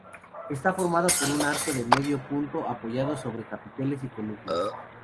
Está formada por un arco de medio punto apoyado sobre capiteles y columnas.